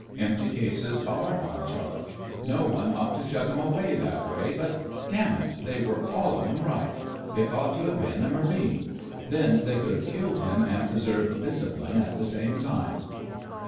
Empty cases are on charge. No one ought to chuck 'em away that way, but ... Damn it, they were all of 'em right! It ought to ha' been a marine. Then they could have killed him and preserved discipline at the same time."